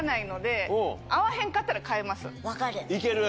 いける？